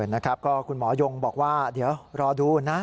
นะครับก็คุณหมอยงบอกว่าเดี๋ยวรอดูนะ